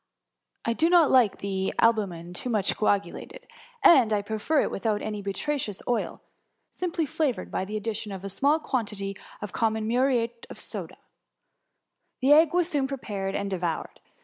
*^ I do not like the albu men too much coagulated; and I prefer it THE MUMUY. 6S without any butyraceous oil, amply flavoured by the addition of a small quantity of common muriate of soda/' Xhejegg was soon prepared and devoured.